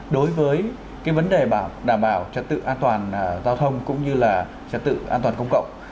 đối với vấn đề đảm bảo trật tự an toàn giao thông cũng như là trật tự an toàn công cộng